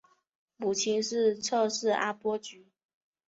母亲是侧室阿波局。